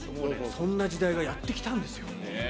そんな時代がやってきたんですよ。